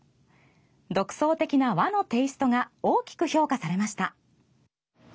独創的な和のテイストが大きく評価されました。